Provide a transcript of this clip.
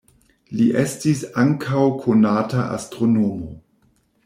Li estis ankaŭ konata astronomo.